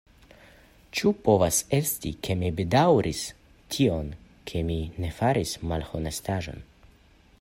Ĉu povas esti, ke mi bedaŭris tion, ke mi ne faris malhonestaĵon?